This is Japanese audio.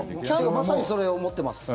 まさにそれを持ってます。